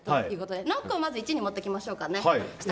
ノックをまず１に持ってきましょうか。